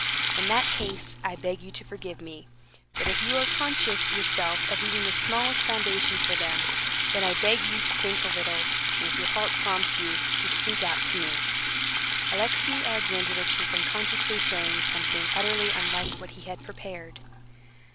In that case, I beg you to forgive me. But if you are conscious yourself of even the smallest foundation for them, then I beg you to think a little, and if your heart prompts you, to speak out to me...." Alexey Alexandrovitch was unconsciously saying something utterly unlike what he had prepared.